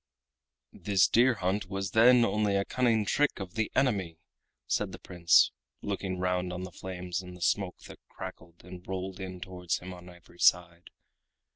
"This deer hunt was then only a cunning trick of the enemy!" said the Prince, looking round on the flames and the smoke that crackled and rolled in towards him on every side.